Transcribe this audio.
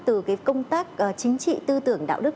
từ cái công tác chính trị tư tưởng đạo đức